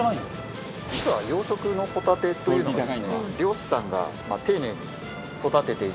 実は養殖のホタテというのはですね漁師さんが丁寧に育てていてですね